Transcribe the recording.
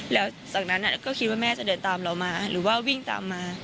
แล้วจากนั้นก็คิดว่าแม่จะเดินตามเรามาหรือว่าวิ่งตามมา